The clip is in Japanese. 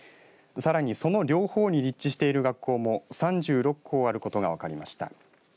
さらにその両方に立地している学校も３６校あることが分かりました。